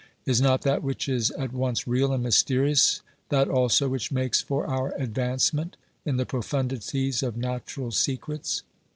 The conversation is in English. Is not that which is at once real and mysterious that also which makes for our advancement in the profundities of natural secrets